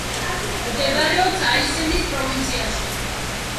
მდებარეობს აისენის პროვინციაში.